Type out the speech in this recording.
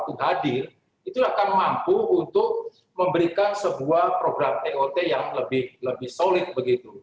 untuk hadir itu akan mampu untuk memberikan sebuah program tot yang lebih solid begitu